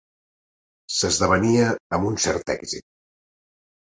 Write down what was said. S'esdevenia amb un cert èxit.